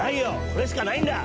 これしかないんだ！